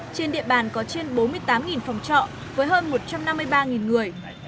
trên địa bàn có trên bốn mươi tám phòng trọ với hơn một trăm năm mươi ba người